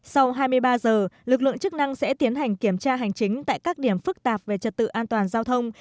sau hai mươi ba giờ lực lượng chức năng sẽ tiến hành kiểm tra hành chính tại các điểm phức tạp về trật tự an toàn giao thông